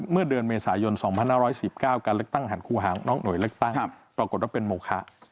เมื่อเดือนเมษายน๒๕๑๙การเลือกตั้งหันคู่หางนอกหน่วยเลือกตั้งปรากฏว่าเป็นโมคะ